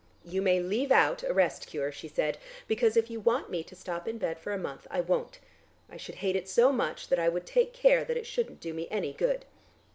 "You may leave out a rest cure," she said, "because if you want me to stop in bed for a month I won't. I should hate it so much that I would take care that it shouldn't do me any good."